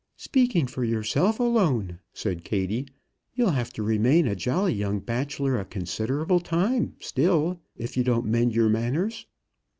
"Speaking for yourself alone," said Kattie, "you'll have to remain a jolly young bachelor a considerable time still, if you don't mend your manners."